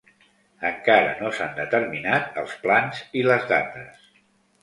Encara no s'han determinat els plans i les dates.